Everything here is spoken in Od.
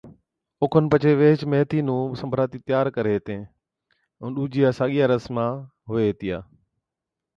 اوکن پڇي ويھِچ ميٿِي نُون سنبراتِي تيار ڪري ھِتين، ائُون ڏُوجيا ساگِيا رسمان ھُوَي ھِتيا